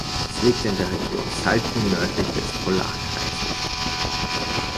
Es liegt in der Region Salten nördlich des Polarkreises.